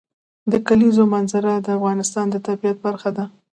د کلیزو منظره د افغانستان د طبیعت برخه ده.